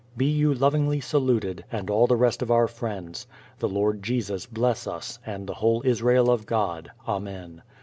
Be you lovingly saluted, and all the rest of our friends. The Lord Jesus bless us, and the whole Israel of God. Amen.